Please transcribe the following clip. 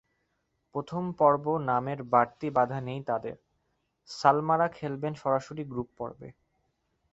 প্রথম পর্ব নামের বাড়তি বাধা নেই তাঁদের, সালমারা খেলবেন সরাসরি গ্রুপ পর্বে।